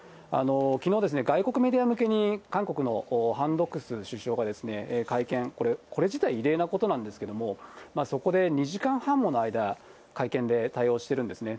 きのう、外国メディア向けに韓国のハン・ドクス首相が会見、これ自体、異例なことなんですけれども、そこで２時間半もの間、会見で対応してるんですね。